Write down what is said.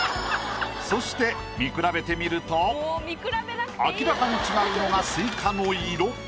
そして見比べてみると明らかに違うのがスイカの色。